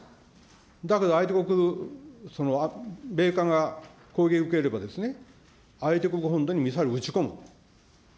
だけど、相手国、米艦が攻撃受ければ、相手国本土にミサイル撃ち込む。